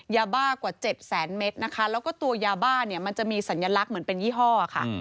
ยาบ้ากว่า๗แสนเมตรนะคะแล้วก็ตัวยาบ้าเนี่ยมันจะมีสัญลักษณ์เหมือนเป็นยี่ห้อค่ะ